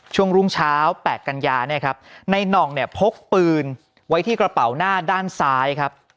ช่วงรุ่งเช้า๘กันยาในหน่องพกปืนไว้ที่กระเป๋าหน้าด้านซ้ายครับ